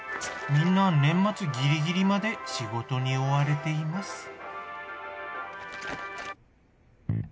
みんな年末ギリギリまで仕事に追われています